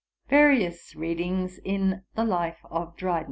_Various Readings in the Life of POPE.